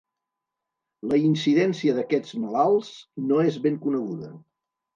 La incidència d'aquests malalts no és ben coneguda.